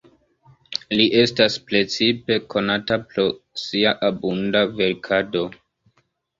Li estas precipe konata pro sia abunda verkado.